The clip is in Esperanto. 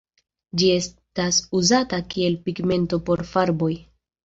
Ĝi estas uzata kiel pigmento por farboj.